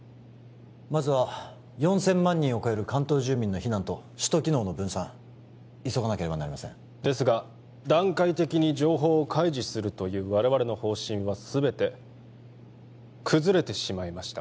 まずは四千万人を超える関東住民の避難と首都機能の分散急がなければなりませんですが段階的に情報を開示するという我々の方針はすべて崩れてしまいました